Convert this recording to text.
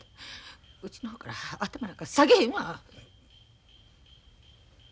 うちの方から頭なんか下げへんわ！